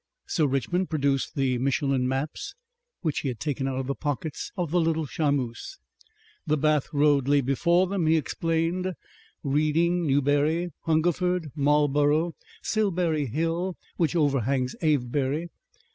Sir Richmond produced the Michelin maps which he had taken out of the pockets of the little Charmeuse. The Bath Road lay before them, he explained, Reading, Newbury, Hungerford, Marlborough, Silbury Hill which overhangs Avebury.